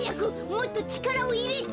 もっとちからをいれて。